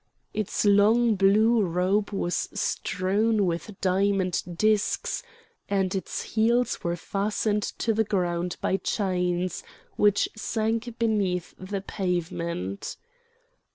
Its long blue robe was strewn with diamond discs, and its heels were fastened to the ground by chains which sank beneath the pavement.